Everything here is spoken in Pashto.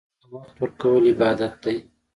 مېلمه ته وخت ورکول عبادت دی.